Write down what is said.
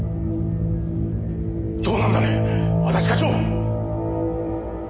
どうなんだね安達課長！